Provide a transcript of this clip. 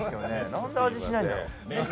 何で味しないんだろう？